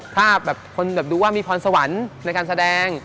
ถ้าคนดูว่ามีพรสวรรค์ในการแสดง